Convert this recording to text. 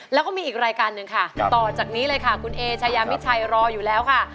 แล้วก็มีอีกรายการหนึ่งค่ะต่อจากนี้เลยค่ะคุณเอชายามิชัยรออยู่แล้วค่ะ